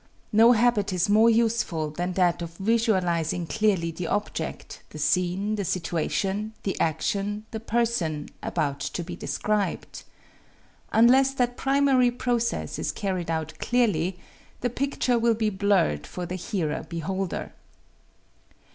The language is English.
No habit is more useful than that of visualizing clearly the object, the scene, the situation, the action, the person, about to be described. Unless that primary process is carried out clearly, the picture will be blurred for the hearer beholder.